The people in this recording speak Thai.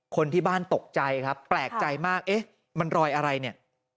คนที่บ้านตกใจครับแปลกใจมากเอ๊ะมันรอยอะไรเนี่ย